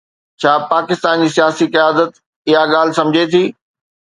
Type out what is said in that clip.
ڇا پاڪستان جي سياسي قيادت اها ڳالهه سمجهي ٿي؟